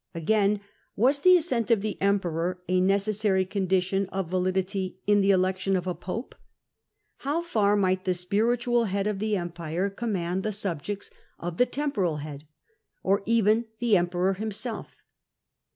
Again, was the Digitized by VjOOQIC Introductory 9 assent of the emperor a necessary condition of validity in the election of a pope ? How far might the spiri tual head of the empire command the subjects of the temporal head, or even the emperor himself?